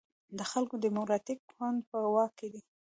د خلکو دیموکراتیک ګوند په واک کې.